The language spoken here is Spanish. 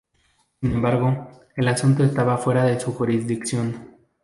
Sin embargo, el asunto estaba fuera de su jurisdicción.